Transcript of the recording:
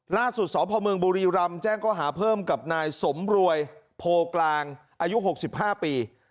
ล่าสุดสพเมืองบุรีรำแจ้งข้อหาเพิ่มกับนายสมรวยโพกลางอายุ๖๕ปี